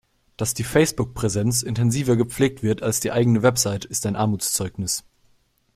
Dass die Facebook-Präsenz intensiver gepflegt wird als die eigene Website, ist ein Armutszeugnis.